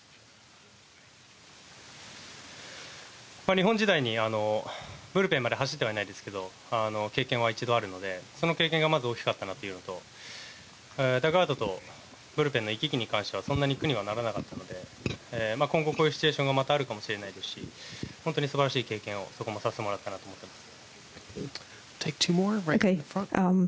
日本時代に、ブルペンまで走ってはいないですけど経験は１度あるのでその経験が大きかったなというのとダッグアウトとブルペンの行き来に関してはそんなに苦にはならなかったので今後こういうシチュエーションがまたあるかもしれませんし本当に素晴らしい経験をさせてもらったなと思っています。